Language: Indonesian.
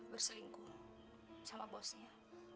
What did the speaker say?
berselingkuh sama bosnya